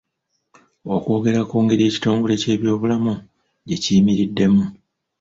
Okwogera ku ngeri ekitongole ky'ebyobulamu gye kiyimiriddemu.